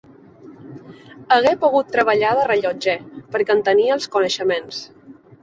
Hagué pogut treballar de rellotger perquè en tenia els coneixements.